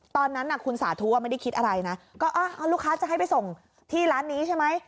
ตอนนั้นน่ะคุณสาธุไม่ได้คิดอะไรนะก็ลูกค้าจะให้ไปส่งที่ร้านนี้ใช่ไหม